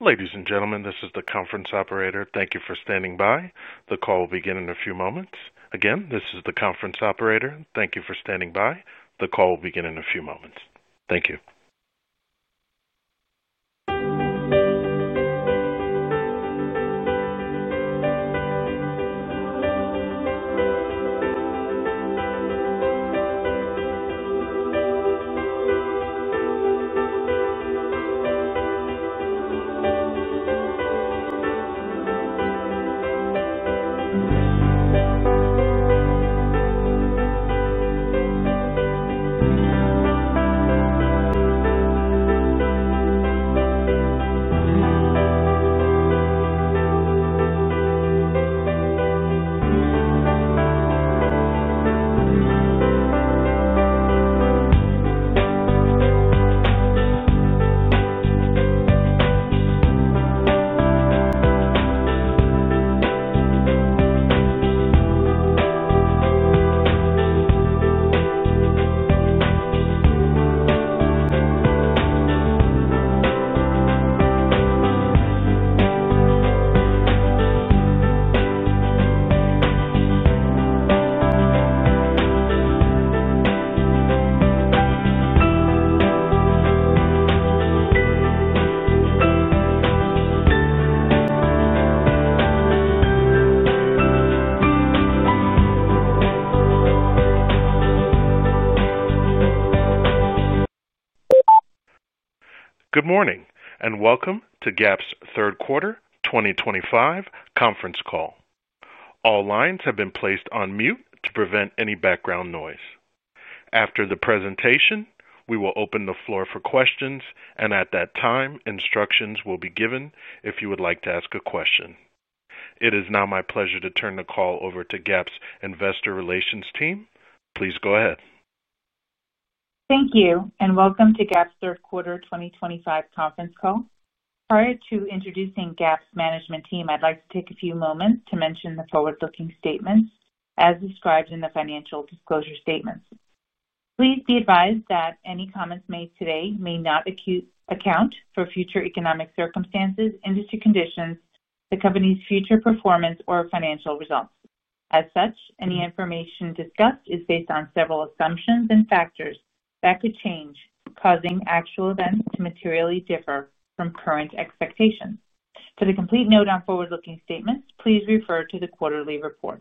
Ladies and gentlemen, this is the conference operator. Thank you for standing by. The call will begin in a few moments. Again, this is the conference operator. Thank you for standing by. The call will begin in a few moments. Thank you. Good morning and Welcome to GAP's Third Quarter 2025 conference call. All lines have been placed on mute to prevent any background noise. After the presentation, we will open the floor for questions, and at that time, instructions will be given if you would like to ask a question. It is now my pleasure to turn the call over to GAPs Investor Relations team. Please go ahead. Thank you and Welcome to GAP's Third Quarter 2025 conference call. Prior to introducing GAP's management team, I'd like to take a few moments to mention the forward-looking statements as described in the financial disclosure statements. Please be advised that any comments made today may not account for future economic circumstances, industry conditions, the company's future performance, or financial results. As such, any information discussed is based on several assumptions and factors that could change, causing actual events to materially differ from current expectations. For the complete note on forward-looking statements, please refer to the quarterly report.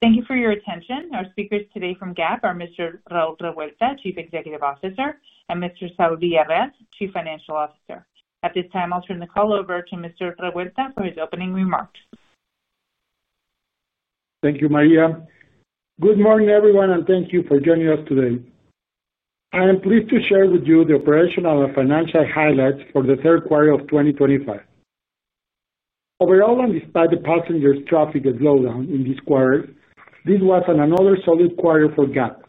Thank you for your attention. Our speakers today from GAP are Mr. Raúl Revuelta, Chief Executive Officer, and Mr. Saúl Villarreal, Chief Financial Officer. At this time, I'll turn the call over to Mr. Revuelta for his opening remarks. Thank you, Maria. Good morning, everyone, and thank you for joining us today. I am pleased to share with you the operational and financial highlights for the third quarter of 2025. Overall, and despite the passenger traffic slowdown in this quarter, this was another solid quarter for GAP,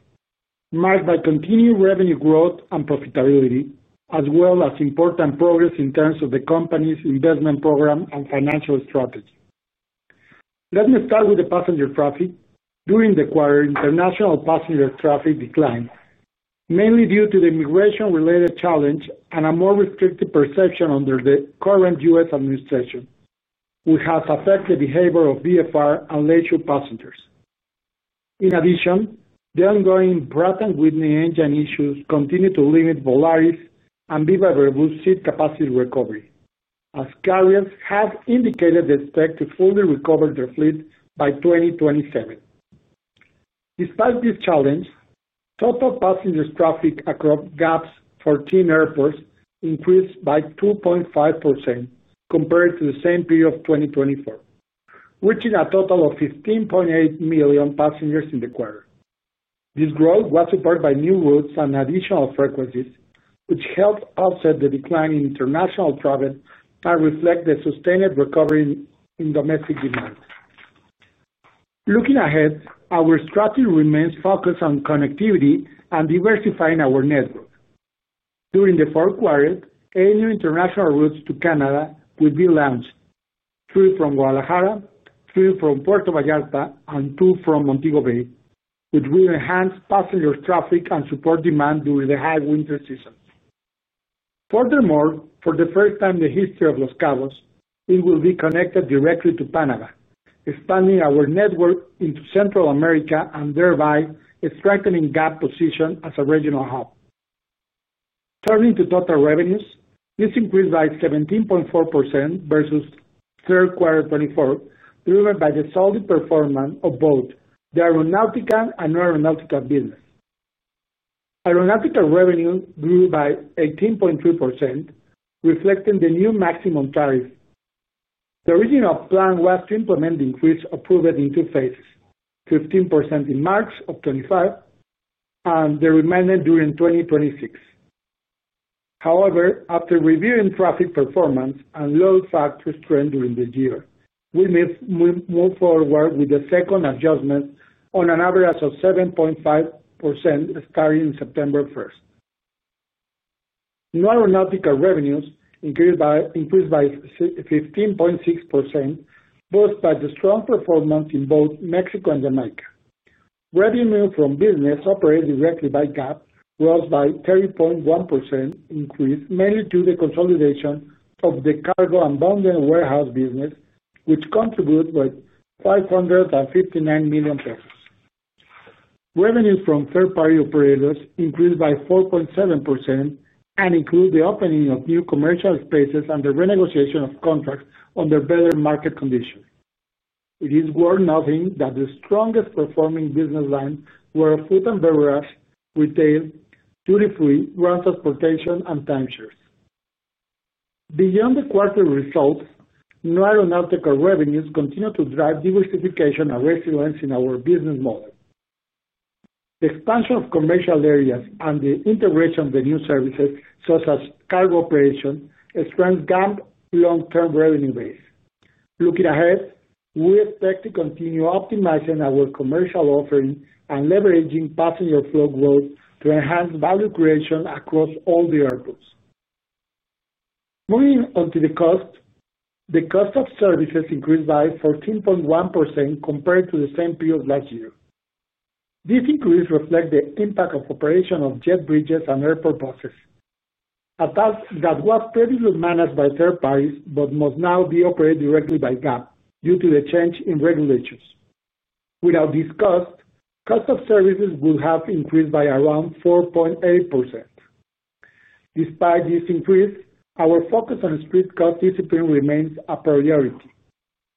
marked by continued revenue growth and profitability, as well as important progress in terms of the company's investment program and financial strategy. Let me start with the passenger traffic. During the quarter, international passenger traffic declined, mainly due to the immigration-related challenge and a more restrictive perception under the current U.S. administration, which has affected the behavior of VFR and leisure passengers. In addition, the ongoing Pratt & Whitney engine issues continue to limit Volaris and VivaAerobus seat capacity recovery, as carriers have indicated they expect to fully recover their fleet by 2027. Despite this challenge, total passenger traffic across GAP's 14 airports increased by 2.5% compared to the same period of 2024, reaching a total of 15.8 million passengers in the quarter. This growth was supported by new routes and additional frequencies, which helped offset the decline in international travel and reflect the sustained recovery in domestic demand. Looking ahead, our strategy remains focused on connectivity and diversifying our network. During the fourth quarter, eight new international routes to Canada will be launched, three from Guadalajara, three from Puerto Vallarta, and two from Montego Bay, which will enhance passenger traffic and support demand during the high winter season. Furthermore, for the first time in the history of Los Cabos, it will be connected directly to Panama, expanding our network into Central America and thereby strengthening GAP's position as a regional hub. Turning to total revenues, this increased by 17.4% versus third quarter 2024, driven by the solid performance of both the aeronautical and non-aeronautical business. Aeronautical revenue grew by 18.3%, reflecting the new maximum tariff. The original plan was to implement the increase approved in two phases, 15% in March of 2025 and the remainder during 2026. However, after reviewing traffic performance and load factor trend during the year, we moved forward with the second adjustment on an average of 7.5% starting September 1st. Non-aeronautical revenues increased by 15.6%, boosted by the strong performance in both Mexico and Jamaica. Revenue from business operated directly by GAP rose by 30.1% increase, mainly due to the consolidation of the cargo and bonded warehouse business, which contributed with 559 million pesos. Revenue from third-party operators increased by 4.7% and included the opening of new commercial spaces and the renegotiation of contracts under better market conditions. It is worth noting that the strongest performing business lines were food and beverages, retail, duty-free, ground transportation, and timeshares. Beyond the quarterly results, new aeronautical revenues continue to drive diversification and resilience in our business model. The expansion of commercial areas and the integration of the new services, such as cargo operations, strengthen GAP's long-term revenue base. Looking ahead, we expect to continue optimizing our commercial offering and leveraging passenger flow growth to enhance value creation across all the airports. Moving on to the cost, the cost of services increased by 14.1% compared to the same period of last year. This increase reflects the impact of operation of jet bridges and airport buses, a task that was previously managed by third parties but must now be operated directly by GAP due to the change in regulations. Without this cost, cost of services would have increased by around 4.8%. Despite this increase, our focus on strict cost discipline remains a priority.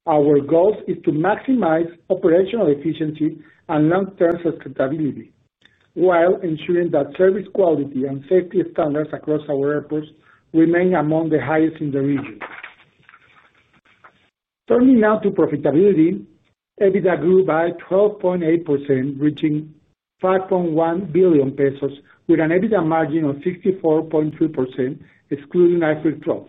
Our goal is to maximize operational efficiency and long-term sustainability while ensuring that service quality and safety standards across our airports remain among the highest in the region. Turning now to profitability, EBITDA grew by 12.8%, reaching 5.1 billion pesos, with an EBITDA margin of 64.3%, excluding high-freight flows.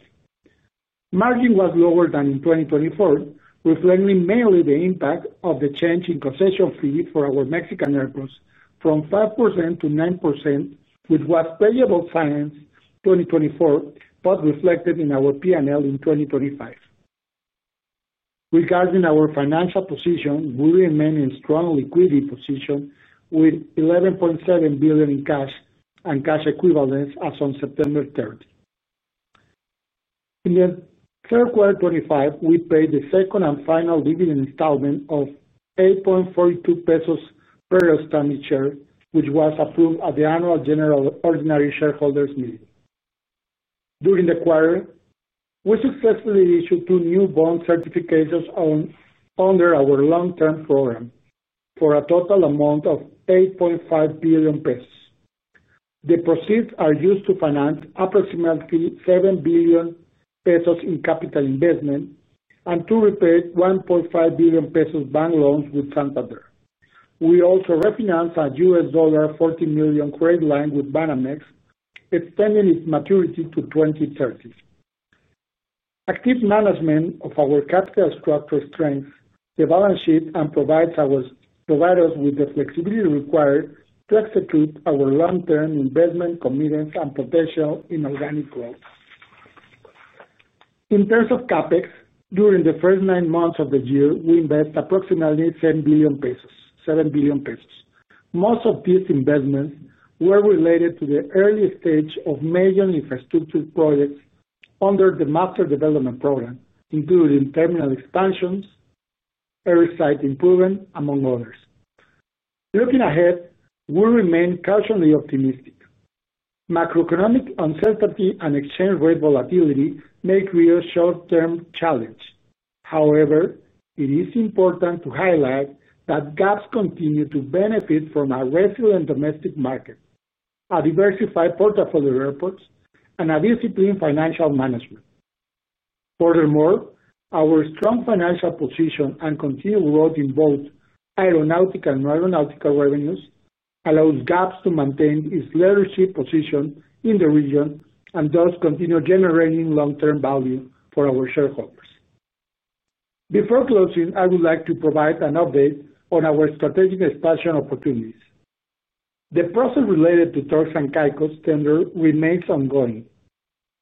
Margin was lower than in 2024, reflecting mainly the impact of the change in concession fees for our Mexican airports from 5% - 9%, which was pre-event signed in 2024 but reflected in our P&L in 2025. Regarding our financial position, we remain in a strong liquidity position with 11.7 billion in cash and cash equivalents as on September 3rd. In the third quarter 2025, we paid the second and final dividend installment of 8.42 pesos per share, which was approved at the annual general ordinary shareholders meeting. During the quarter, we successfully issued two new bond certifications under our long-term program for a total amount of 8.5 billion pesos. The proceeds are used to finance approximately 7 billion pesos in capital investment and to repair 1.5 billion pesos bank loans with Santander. We also refinanced a $40 million credit line with Banamex, extending its maturity to 2030. Active management of our capital structure strengthens the balance sheet and provides us with the flexibility required to execute our long-term investment commitments and potential in organic growth. In terms of CapEx, during the first nine months of the year, we invest approximately 7 billion pesos. 7 billion pesos. Most of these investments were related to the early stage of major infrastructure projects under the Master Development Program, including terminal expansions, airside improvement, among others. Looking ahead, we remain cautiously optimistic. Macroeconomic uncertainty and exchange rate volatility make real short-term challenges. However, it is important to highlight that GAP continues to benefit from a resilient domestic market, a diversified portfolio of airports, and disciplined financial management. Furthermore, our strong financial position and continued growth in both aeronautical and non-aeronautical revenues allow GAP to maintain its leadership position in the region and thus continue generating long-term value for our shareholders. Before closing, I would like to provide an update on our strategic expansion opportunities. The process related to Turks and Caicos tender remains ongoing.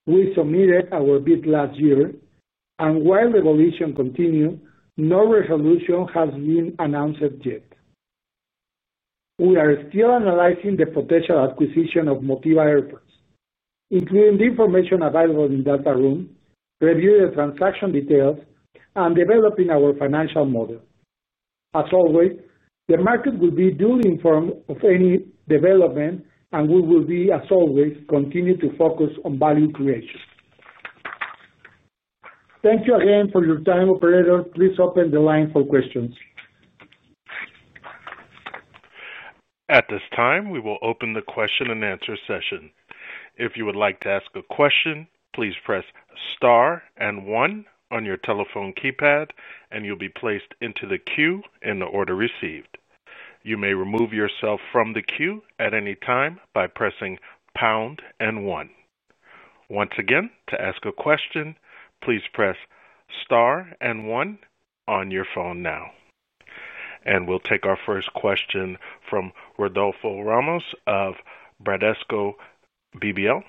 We submitted our bid last year, and while the evolution continues, no resolution has been announced yet. We are still analyzing the potential acquisition of Motiva Airports, including the information available in the data room, reviewing the transaction details, and developing our financial model. As always, the market will be duly informed of any development, and we will, as always, continue to focus on value creation. Thank you again for your time, operator. Please open the line for questions. At this time, we will open the question and answer session. If you would like to ask a question, please press star and one on your telephone keypad, and you'll be placed into the queue in the order received. You may remove yourself from the queue at any time by pressing pound and one. Once again, to ask a question, please press star and one on your phone now. We will take our first question from Rodolfo Ramos of Bradesco BBI.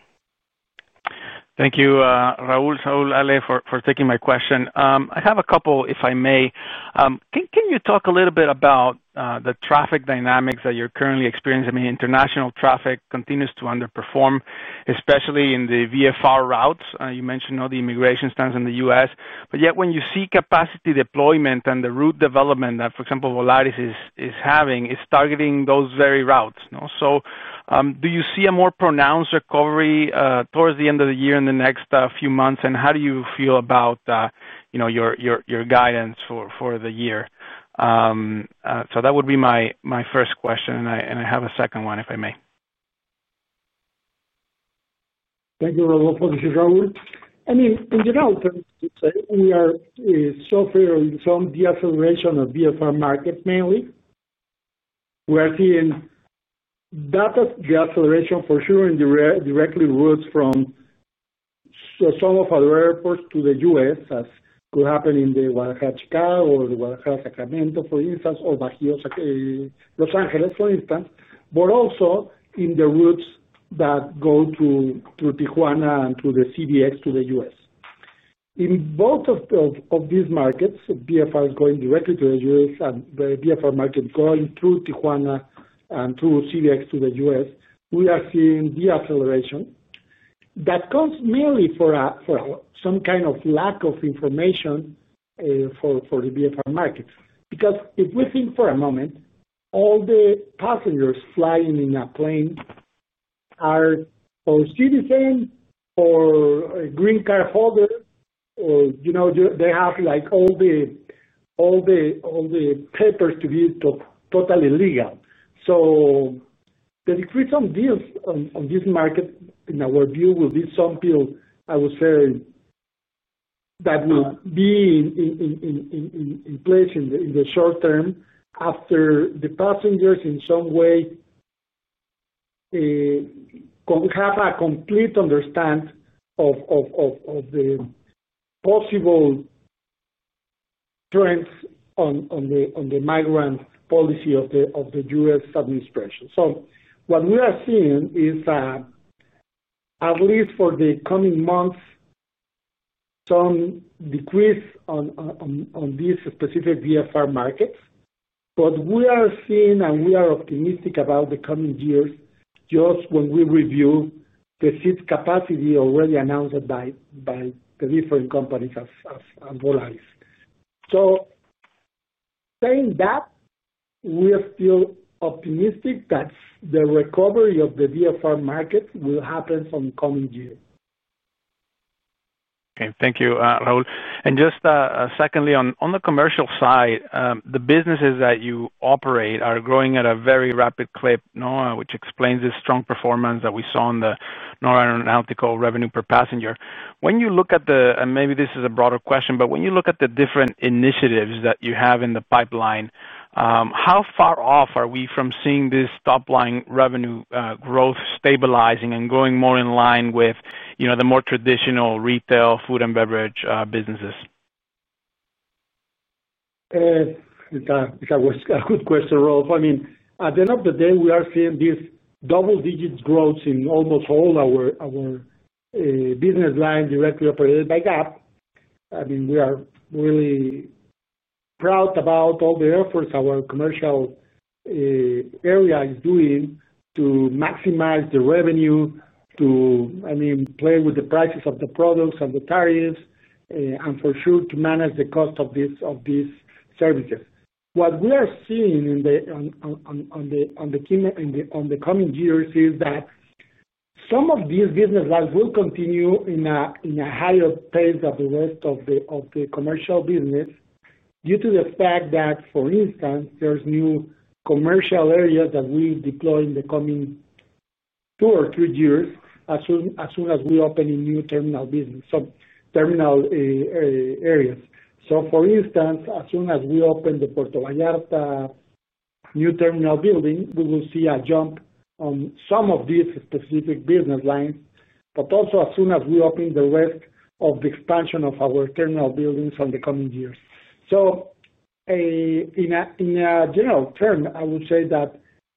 Thank you, Raúl, Saúl, Ale, for taking my question. I have a couple, if I may. Can you talk a little bit about the traffic dynamics that you're currently experiencing? I mean, international traffic continues to underperform, especially in the VFR routes. You mentioned all the immigration stunts in the U.S., yet when you see capacity deployment and the route development that, for example, Volaris is having, it's targeting those very routes. Do you see a more pronounced recovery towards the end of the year in the next few months? How do you feel about your guidance for the year? That would be my first question, and I have a second one, if I may. Thank you, Rodolfo. This is Raúl. In general, we are suffering from the acceleration of the VFR market mainly. We are seeing that acceleration for sure in the direct routes from some of our airports to the U.S., as could happen in the Guadalajara-Chicago or the Guadalajara-Sacramento, for instance, or Bahía Los Angeles, for instance, but also in the routes that go through Tijuana and through the CBX to the U.S. In both of these markets, VFR is going directly to the U.S. and the VFR market going through Tijuana and through CBX to the U.S., we are seeing the acceleration. That comes mainly from some kind of lack of information for the VFR market. Because if we think for a moment, all the passengers flying in a plane are citizens or green card holders, or they have all the papers to be totally legal. The decrease on deals on this market, in our view, will be some pill, I would say, that will be in place in the short term after the passengers in some way have a complete understanding of the possible trends on the migrant policy of the U.S. administration. What we are seeing is, at least for the coming months, some decrease on these specific VFR markets. We are optimistic about the coming years just when we review the seat capacity already announced by the different companies as Volaris. Saying that, we are still optimistic that the recovery of the VFR markets will happen some coming year. Okay. Thank you, Raúl. Just secondly, on the commercial side, the businesses that you operate are growing at a very rapid clip, which explains this strong performance that we saw in the non-aeronautical revenue per passenger. When you look at the, and maybe this is a broader question, when you look at the different initiatives that you have in the pipeline, how far off are we from seeing this top-line revenue growth stabilizing and growing more in line with the more traditional retail, food, and beverage businesses? It's a good question, Raúl. At the end of the day, we are seeing these double-digit growths in almost all our business lines directly operated by GAP. We are really proud about all the efforts our commercial area is doing to maximize the revenue, to play with the prices of the products and the tariffs, and for sure to manage the cost of these services. What we are seeing in the coming years is that some of these businesses will continue in a higher pace than the rest of the commercial business due to the fact that, for instance, there's new commercial areas that we deploy in the coming two or three years as soon as we open a new terminal business, terminal areas. For instance, as soon as we open the Puerto Vallarta new terminal building, we will see a jump on some of these specific business lines, but also as soon as we open the rest of the expansion of our terminal buildings in the coming years. In a general term, I would say that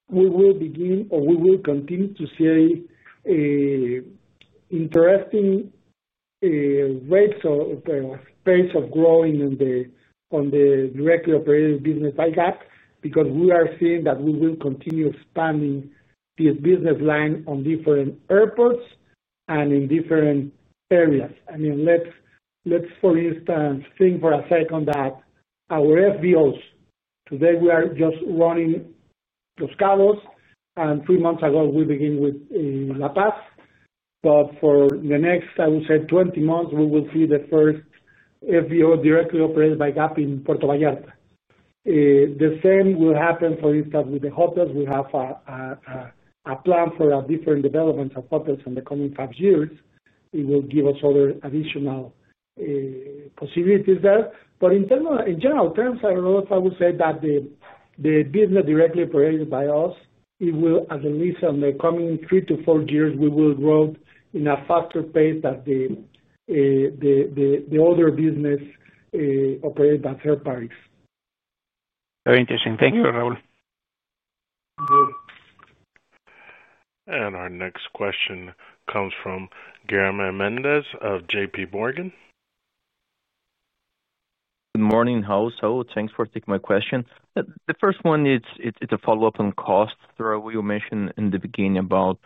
we will begin or we will continue to see interesting rates or pace of growing on the directly operated business by GAP because we are seeing that we will continue expanding these business lines on different airports and in different areas. For instance, think for a second that our FBOs today we are just running Los Cabos, and three months ago we began with La Paz. For the next, I would say, 20 months, we will see the first FBO directly operated by GAP in Puerto Vallarta. The same will happen, for instance, with the hotels. We have a plan for different developments of hotels in the coming five years. It will give us other additional possibilities there. In general terms, I would say that the business directly operated by us, at least in the coming three to four years, we will grow in a faster pace than the other business operated by third parties. Very interesting. Thank you, Raúl. Our next question comes from Guilherme Mendes of JPMorgan. Good morning. How's it? Thanks for taking my question. The first one is a follow-up on costs. Raúl, you mentioned in the beginning about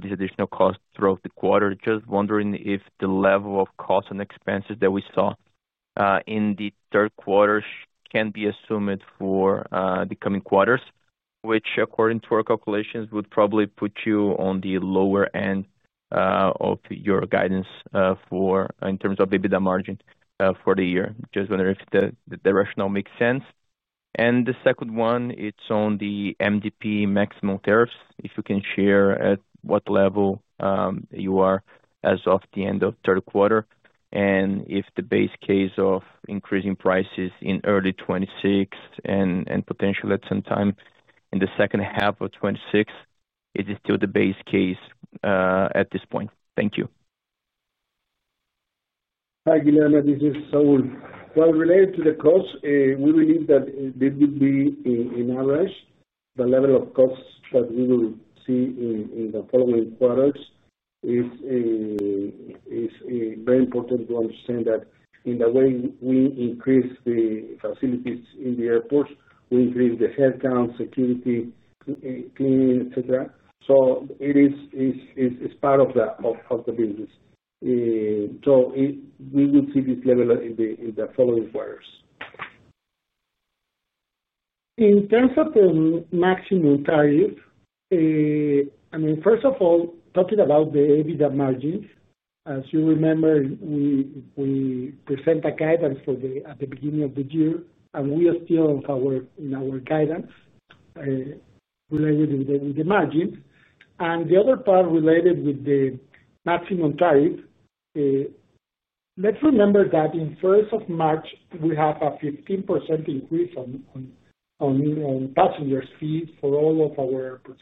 these additional costs throughout the quarter. Just wondering if the level of costs and expenses that we saw in the third quarter can be assumed for the coming quarters, which, according to our calculations, would probably put you on the lower end of your guidance in terms of EBITDA margin for the year. Just wondering if the rationale makes sense. The second one is on the MDP maximum tariffs, if you can share at what level you are as of the end of third quarter. If the base case of increasing prices in early 2026 and potentially at some time in the second half of 2026 is still the base case at this point? Thank you. Hi, Guilherme. This is Saúl. Related to the costs, we believe that they will be enlarged. The level of costs that we will see in the following quarters is very important to understand that in the way we increase the facilities in the airports, we increase the headcount, security, cleaning, etc. It is part of the business. We will see this level in the following quarters. In terms of the maximum tariff, I mean, first of all, talking about the EBITDA margins, as you remember, we presented guidance at the beginning of the year, and we are still in our guidance related with the margins. The other part related with the maximum tariff, let's remember that on 1st of March, we have a 15% increase on passenger fees for all of our airports,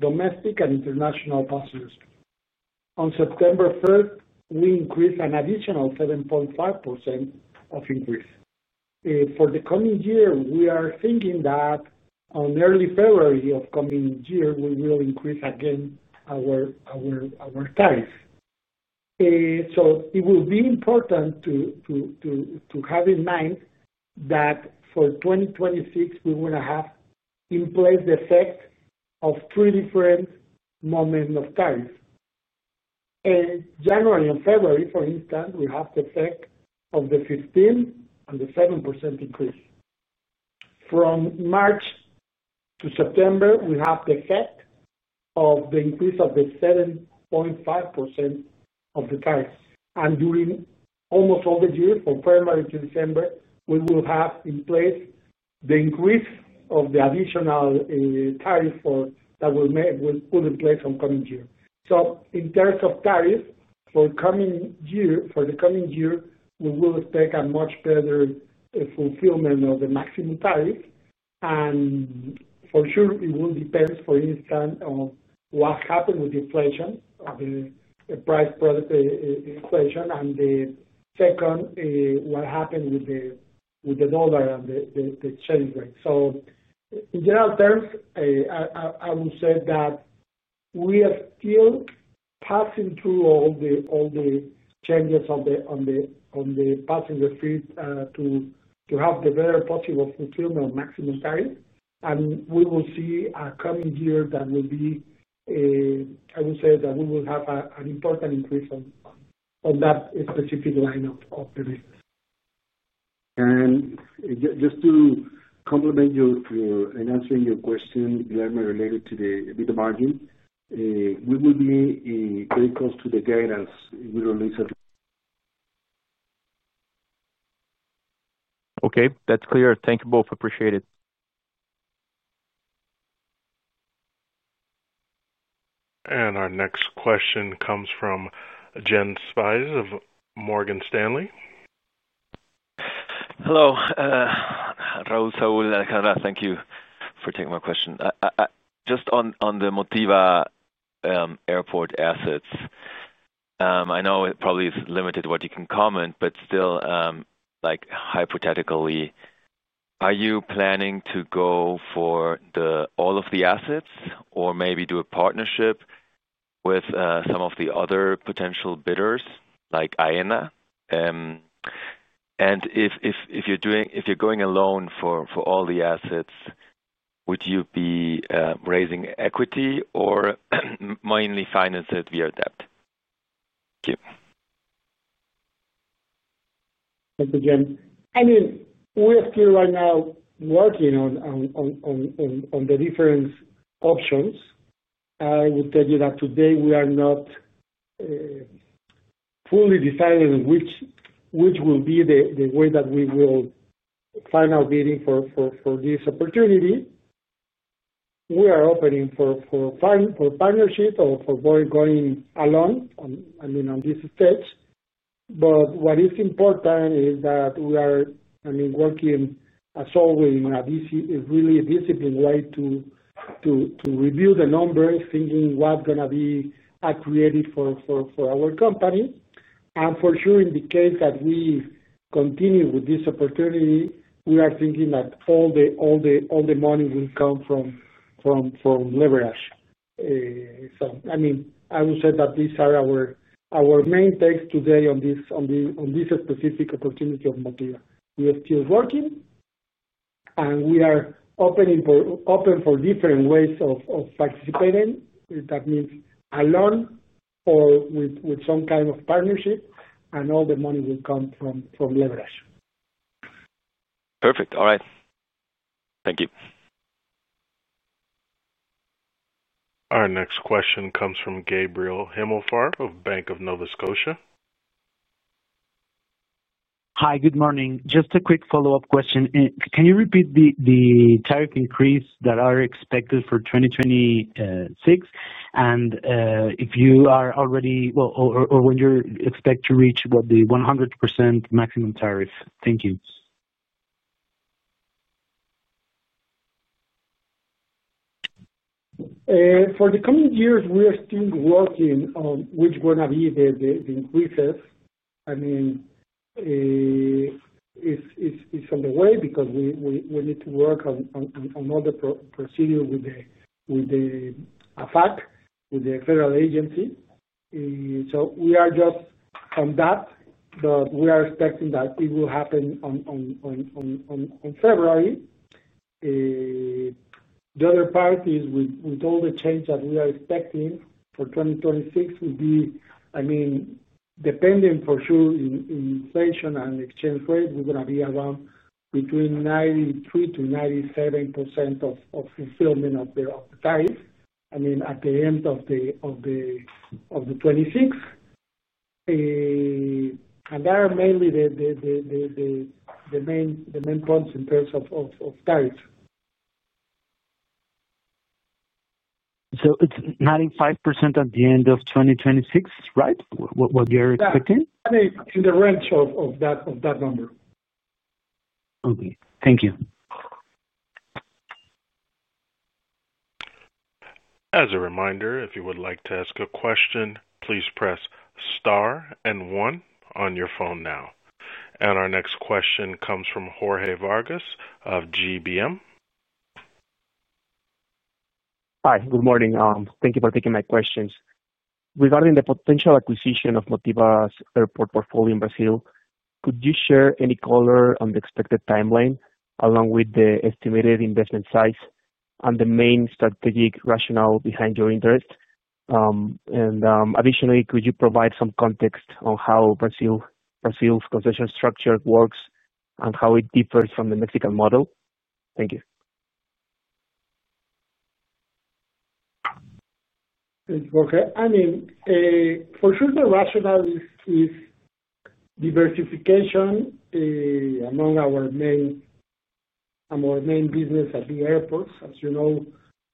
domestic and international passenger fees. On September 1st, we increased an additional 7.5% of increase. For the coming year, we are thinking that in early February of the coming year, we will increase again our tariffs. It will be important to have in mind that for 2026, we want to have in place the effect of three different moments of tariffs. In January and February, for instance, we have the effect of the 15% and the 7% increase. From March to September, we have the effect of the increase of the 7.5% of the tariffs. During almost all the year, from February to December, we will have in place the increase of the additional tariff that we'll put in place in the coming year. In terms of tariffs for the coming year, we will expect a much better fulfillment of the maximum tariff. For sure, it will depend, for instance, on what happened with the inflation, the price product inflation, and the second, what happened with the dollar and the exchange rate. In general terms, I would say that we are still passing through all the changes on the passenger fees to have the better possible fulfillment of maximum tariff. We will see a coming year that will be, I would say, that we will have an important increase on that specific line of the business. Just to complement your answer and your question, Guilherme, related to the EBITDA margin, we will be very close to the guidance we release at the. Okay. That's clear. Thank you both. Appreciate it. Our next question comes from Jens Spiess of Morgan Stanley. Hello. Raúl, Saúl, Alejandra, thank you for taking my question. Just on the Motiva Airports assets, I know it probably is limited to what you can comment, but still, like hypothetically, are you planning to go for all of the assets or maybe do a partnership with some of the other potential bidders like AENA? If you're going alone for all the assets, would you be raising equity or mainly financing via debt? Thank you. Thank you, Jen. We are still right now working on the different options. I would tell you that today we are not fully decided on which will be the way that we will final bid for this opportunity. We are opening for partnership or for going alone at this stage. What is important is that we are working as always in a really disciplined way to review the numbers, thinking what's going to be created for our company. For sure, in the case that we continue with this opportunity, we are thinking that all the money will come from leverage. I would say that these are our main takes today on this specific opportunity of Motiva. We are still working, and we are open for different ways of participating. That means alone or with some kind of partnership, and all the money will come from leverage. Perfect. All right. Thank you. Our next question comes from Gabriel Himelfarb of Bank of Nova Scotia. Hi. Good morning. Just a quick follow-up question. Can you repeat the tariff increase that are expected for 2026? If you are already, or when you expect to reach what the 100% maximum tariff? Thank you. For the coming years, we are still working on which going to be the increases. I mean, it's on the way because we need to work on all the procedures with AFAC, with the federal agency. We are just on that, but we are expecting that it will happen on February. The other part is with all the change that we are expecting for 2026 will be, I mean, depending for sure in inflation and exchange rate, we're going to be around between 93% - 97% of fulfillment of the tariff, I mean, at the end of 2026. They are mainly the main points in terms of tariffs. It's 95% at the end of 2026, right? What you're expecting? Yeah, I mean in the range of that number. Okay, thank you. As a reminder, if you would like to ask a question, please press star and one on your phone now. Our next question comes from Jorge Vargas of GBM. Hi. Good morning. Thank you for taking my questions. Regarding the potential acquisition of Motiva Airports' airport portfolio in Brazil, could you share any color on the expected timeline along with the estimated investment size and the main strategic rationale behind your interest? Additionally, could you provide some context on how Brazil's concession structure works and how it differs from the Mexican model? Thank you. Okay. I mean, for sure, the rationale is diversification among our main business at the airports. As you know,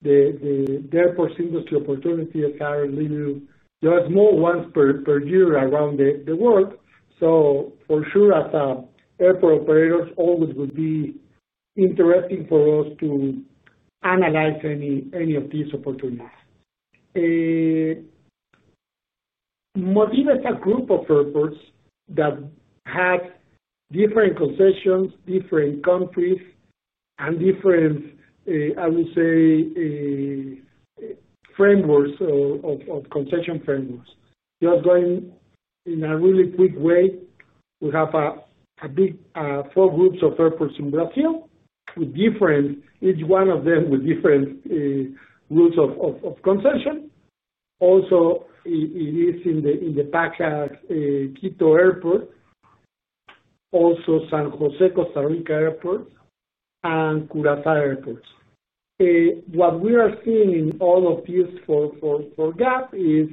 the airport industry opportunities are a little, they are small ones per year around the world. For sure, as airport operators, it will always be interesting for us to analyze any of these opportunities. Motiva Airports is a group of airports that have different concessions, different countries, and different, I would say, concession frameworks. Just going in a really quick way, we have a big four groups of airports in Brazil, each one of them with different rules of concession. Also, it is in the Pacas, Quito Airport, also San José, Costa Rica airports, and Curaçao airports. What we are seeing in all of these for GAP is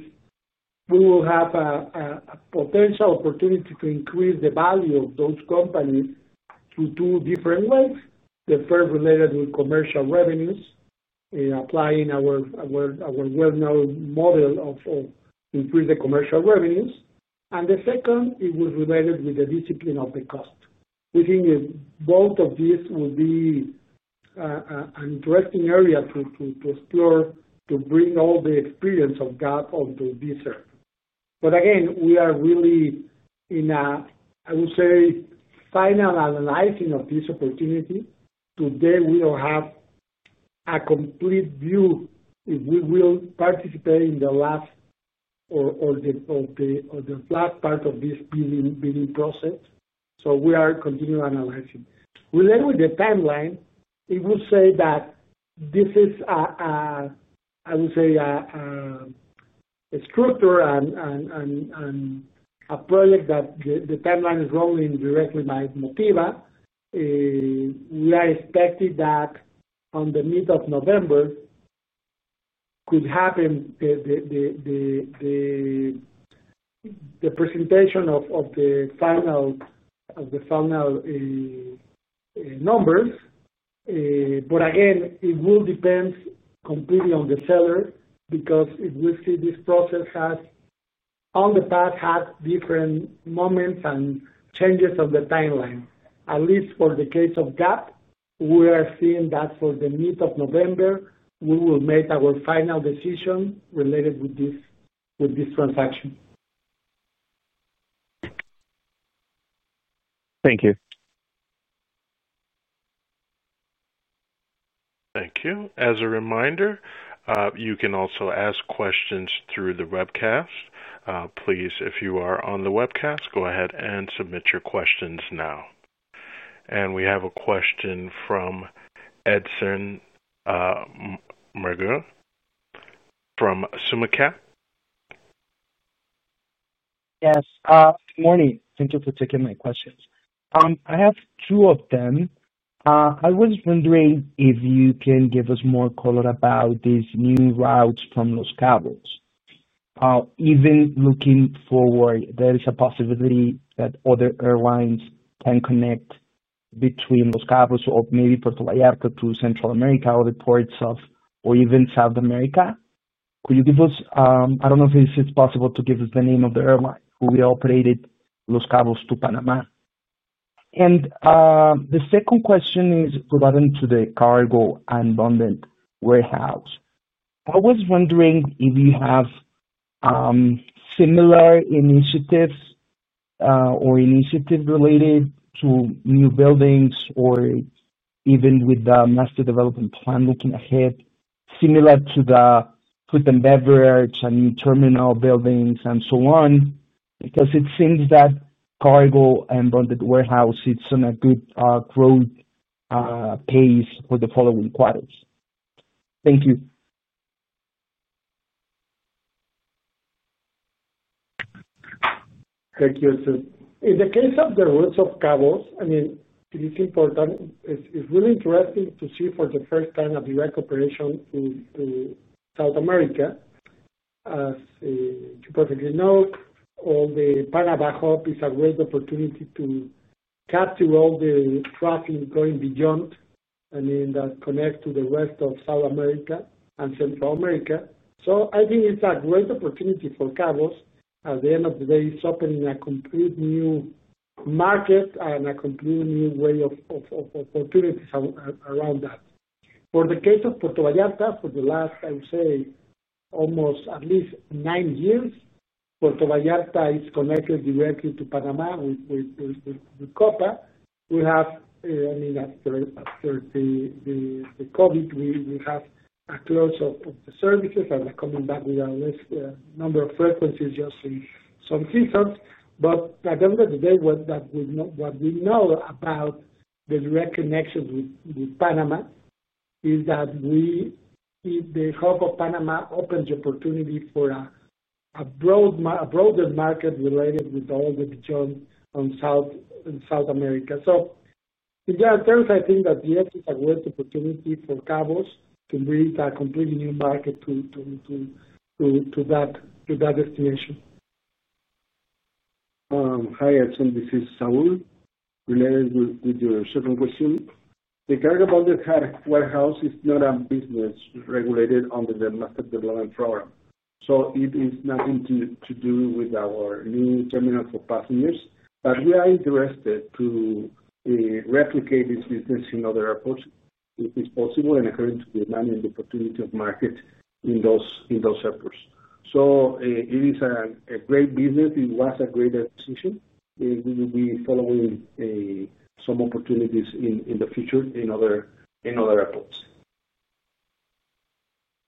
we will have a potential opportunity to increase the value of those companies through two different ways. The first related with commercial revenues and applying our well-known model of increasing the commercial revenues. The second is related with the discipline of the cost. We think both of these will be an interesting area to explore, to bring all the experience of GAP onto this. Again, we are really in a, I would say, a final analyzing of this opportunity. Today, we don't have a complete view if we will participate in the last or the last part of this bidding process. We are continuing analyzing. Related with the timeline, I would say that this is a structure and a project that the timeline is running directly by Motiva. We are expecting that in the middle of November could happen the presentation of the final numbers. Again, it will depend completely on the seller because we see this process in the past has different moments and changes of the timeline. At least for the case of GAP, we are seeing that for the middle of November, we will make our final decision related with this transaction. Thank you. Thank you. As a reminder, you can also ask questions through the webcast. Please, if you are on the webcast, go ahead and submit your questions now. We have a question from Edson Margul from Sumacap. Yes. Morning. Thank you for taking my questions. I have two of them. I was wondering if you can give us more color about these new routes from Los Cabos. Even looking forward, there is a possibility that other airlines can connect between Los Cabos or maybe Puerto Vallarta to Central America or the ports of or even South America. Could you give us, I don't know if it's possible to give us the name of the airline who operated Los Cabos to Panama. The second question is related to the cargo and bonded warehouse. I was wondering if you have similar initiatives or initiatives related to new buildings or even with the Master Development Program looking ahead, similar to the food and beverage and new terminal buildings and so on, because it seems that cargo and bonded warehouse, it's on a good growth pace for the following quarters. Thank you. Thank you, sir. In the case of the routes of Los Cabos, I mean, it is important. It's really interesting to see for the first time a direct operation to South America. As you perfectly know, all the Panama hub is a great opportunity to capture all the traffic going beyond, I mean, that connects to the rest of South America and Central America. I think it's a great opportunity for Los Cabos. At the end of the day, it's opening a completely new market and a completely new way of opportunities around that. For the case of Puerto Vallarta, for the last, I would say, almost at least nine years, Puerto Vallarta is connected directly to Panama with Copa. After the COVID, we have a close of the services. Now coming back with a less number of frequencies just in some seasons. At the end of the day, what we know about the direct connections with Panama is that the hub of Panama opens the opportunity for a broader market related with all the region on South America. In general terms, I think that yes, it's a great opportunity for Los Cabos to reach a completely new market to that destination. Hi, Edson. This is Saúl related with your second question. The cargo and bonded warehouse is not a business regulated under the Master Development Program. It is nothing to do with our new terminal for passengers. We are interested to replicate this business in other airports if it's possible and according to the demand and the opportunity of market in those airports. It is a great business. It was a great acquisition. We will be following some opportunities in the future in other airports.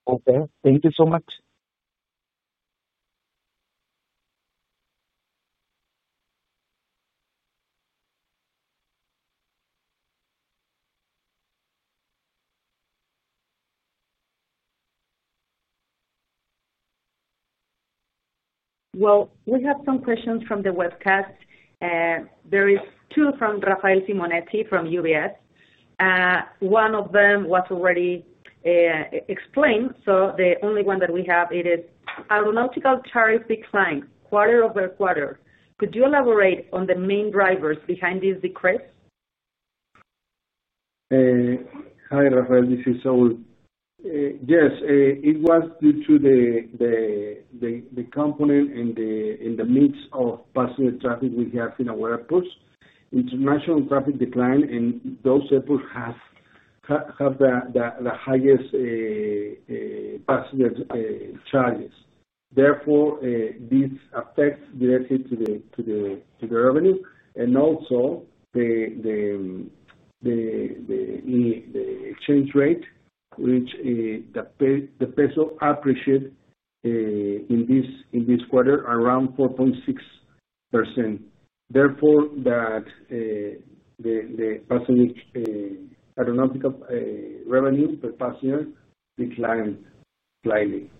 Okay, thank you so much. We have some questions from the webcast. There are two from Rafael Simonetti from UBS. One of them was already explained. The only one that we have is aeronautical tariff declines quarter over quarter. Could you elaborate on the main drivers behind these decrees? Hi, Rafael. This is Saúl. Yes. It was due to the component in the mix of passenger traffic we have in our airports. International traffic declined, and those airports have the highest passenger charges. Therefore, this affects directly to the revenue. Also, the exchange rate, which the peso appreciated in this quarter, around 4.6%. Therefore, the aeronautical revenue per passenger declined slightly.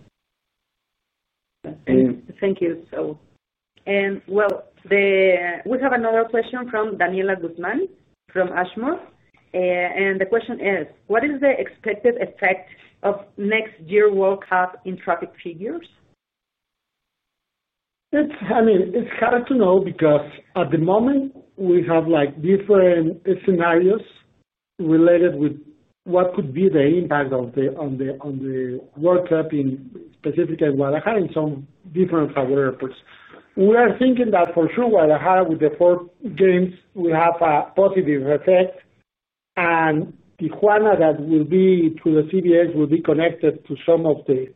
Thank you, Saúl. We have another question from Daniela Guzmán from Ashmore, and the question is, what is the expected effect of next year's World Cup in traffic figures? I mean, it's hard to know because at the moment, we have different scenarios related with what could be the impact on the World Cup specifically in Guadalajara and some different of our airports. We are thinking that for sure Guadalajara with the four games will have a positive effect. Tijuana, that will be through the CBX, will be connected to some of the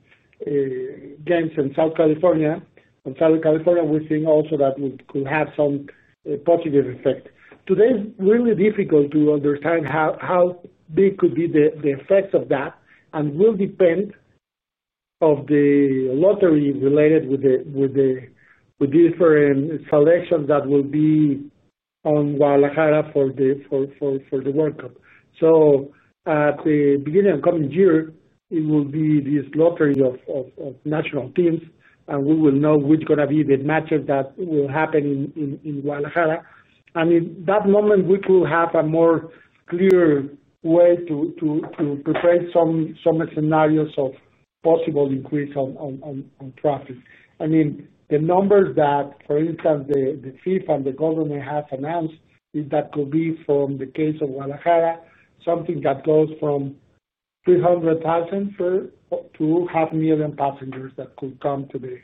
games in Southern California. We think also that we could have some positive effect. Today, it's really difficult to understand how big could be the effects of that and will depend on the lottery related with the different selections that will be on Guadalajara for the World Cup. At the beginning of the coming year, it will be this lottery of national teams, and we will know which are going to be the matches that will happen in Guadalajara. In that moment, we could have a more clear way to prepare some scenarios of possible increase on traffic. The numbers that, for instance, FIFA and the government have announced is that could be from the case of Guadalajara, something that goes from 300,000 to half a million passengers that could come to the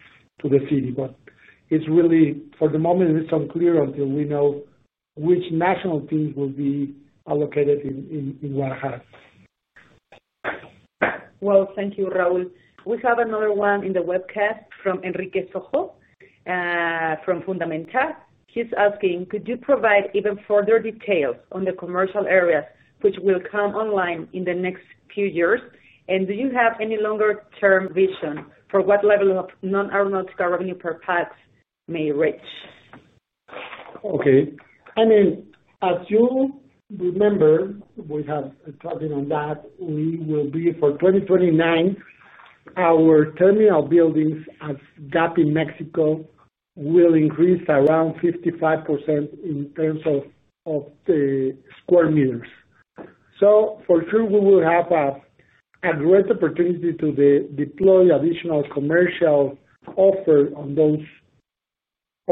city. For the moment, it's unclear until we know which national teams will be allocated in Guadalajara. Thank you, Raúl. We have another one in the webcast from Enrique Sojo from Fundamental. He's asking, could you provide even further details on the commercial areas which will come online in the next few years? Do you have any longer-term vision for what level of non-aeronautical revenue per pass may reach? Okay. I mean, as you remember, we have a tracking on that. We will be, for 2029, our terminal buildings at GAP in Mexico will increase around 55% in terms of the square meters. For sure, we will have a great opportunity to deploy additional commercial offers on those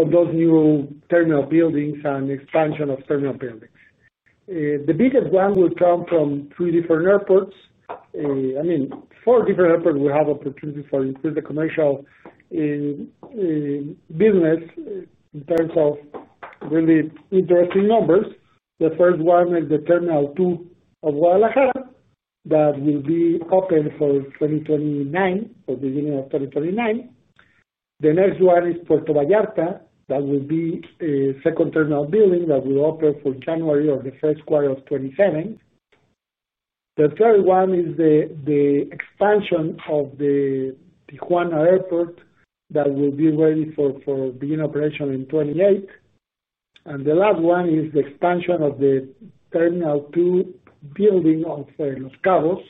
new terminal buildings and expansion of terminal buildings. The biggest one will come from four different airports. Four different airports will have opportunities for increasing the commercial business in terms of really interesting numbers. The first one is the Terminal 2 of Guadalajara that will be open for the beginning of 2029. The next one is Puerto Vallarta. That will be a second terminal building that will open for January or the first quarter of 2027. The third one is the expansion of the Tijuana airport that will be ready for beginning operation in 2028. The last one is the expansion of the Terminal 2 building of Los Cabos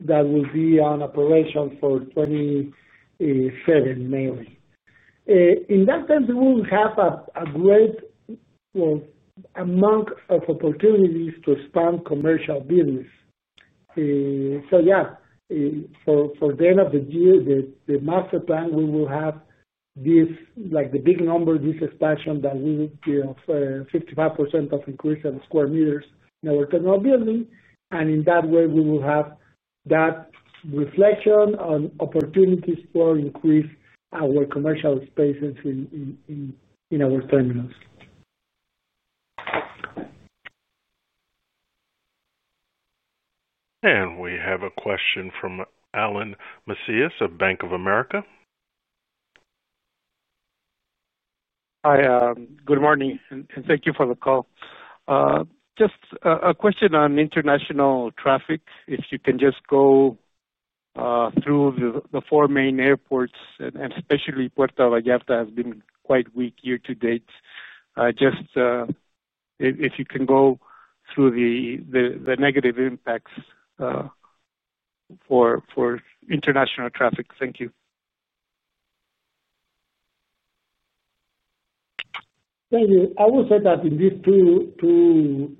that will be on operation for 2027 mainly. In that sense, we will have a great amount of opportunities to expand commercial business. For the end of the year, the master plan, we will have this, like the big number, this expansion that will be of 55% of increase in square meters in our terminal building. In that way, we will have that reflection on opportunities for increasing our commercial spaces in our terminals. We have a question from Alan Macias of Bank of America. Hi. Good morning. Thank you for the call. Just a question on international traffic. If you can just go through the four main airports, and especially Puerto Vallarta has been quite weak year to date. If you can go through the negative impacts for international traffic. Thank you. Thank you. I would say that in these two,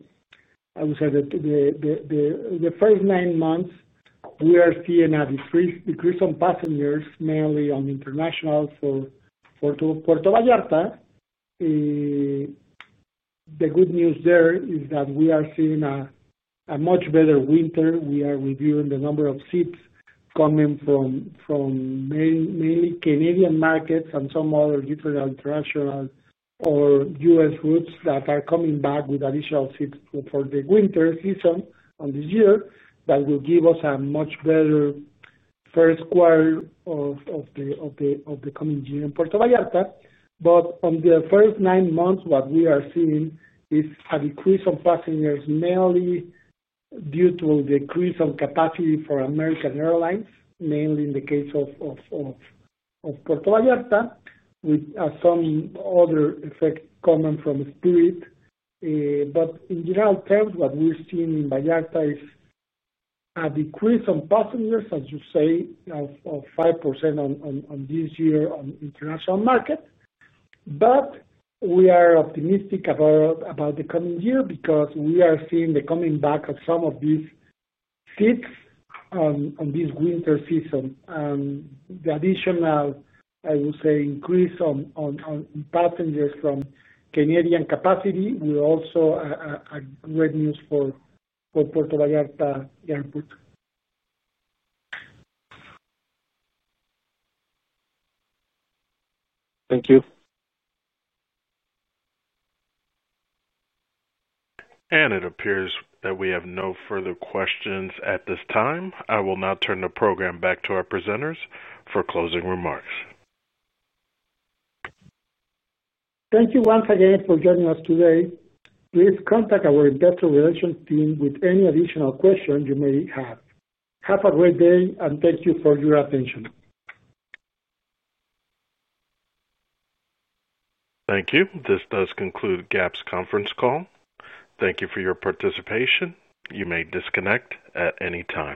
I would say that the first nine months, we are seeing a decrease on passengers, mainly on international for Puerto Vallarta. The good news there is that we are seeing a much better winter. We are reviewing the number of seats coming from mainly Canadian markets and some other different international or U.S. routes that are coming back with additional seats for the winter season of this year that will give us a much better first quarter of the coming year in Puerto Vallarta. On the first nine months, what we are seeing is a decrease on passengers mainly due to a decrease on capacity for American Airlines, mainly in the case of Puerto Vallarta, with some other effects coming from Spirit. In general terms, what we're seeing in Vallarta is a decrease on passengers, as you say, of 5% on this year on international markets. We are optimistic about the coming year because we are seeing the coming back of some of these seats on this winter season. The additional, I would say, increase on passengers from Canadian capacity will also be great news for Puerto Vallarta Airport. Thank you. It appears that we have no further questions at this time. I will now turn the program back to our presenters for closing remarks. Thank you once again for joining us today. Please contact our Investor Relations team with any additional questions you may have. Have a great day, and thank you for your attention. Thank you. This does conclude Grupo Aeroportuario del Pacífico's conference call. Thank you for your participation. You may disconnect at any time.